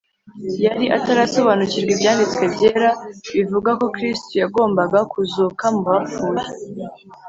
” yari atarasobanukirwa ibyanditswe byera bivuga ko kristo yagombaga kuzuka mu bapfuye